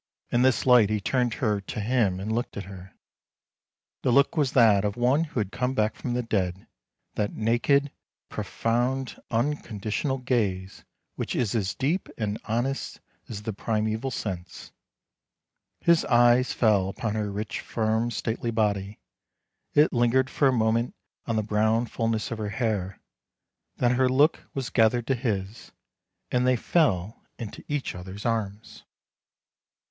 In this light he turned her to him and looked at her. The look was as that of one who had come back from the dead — that naked, profound, uncon 356 THE LANE THAT HAD NO TURNING ditional gaze which is as deep and honest as the prime val sense. His eyes fell upon her rich, firm, stately body, it lingered for a moment on the brown fulness of her hair, then her look was gathered to his, and they fell into each other's arms.